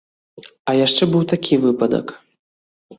А яшчэ быў такі выпадак.